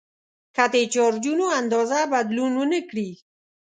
که د چارجونو اندازه بدلون ونه کړي.